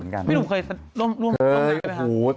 นายเต็มหรือไม่ได้